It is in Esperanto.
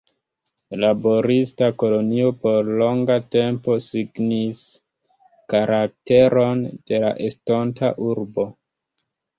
Laborista kolonio por longa tempo signis karakteron de la estonta urbo.